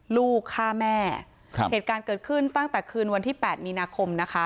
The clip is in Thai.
ลูกฆ่าแม่ครับเหตุการณ์เกิดขึ้นตั้งแต่คืนวันที่๘มีนาคมนะคะ